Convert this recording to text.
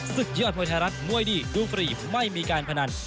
ศึกยอดมวยไทยรัฐมวยดีดูฟรีไม่มีการพนัน